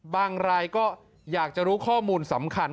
รายก็อยากจะรู้ข้อมูลสำคัญ